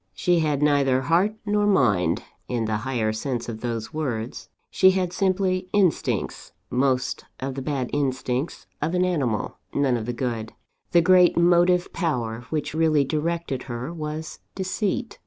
"She had neither heart nor mind, in the higher sense of those words. She had simply instincts most of the bad instincts of an animal; none of the good. The great motive power which really directed her, was Deceit.